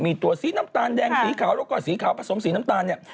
มีตัวสีน้ำตาลแดงสีขาวแล้วก็สีขาวผสมสีน้ำตาลเนี่ย